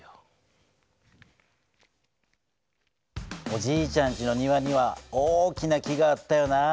おじいちゃんちの庭には大きな木があったよなあ。